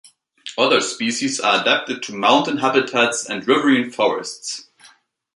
Other species are adapted to mountain habitats and riverine forests.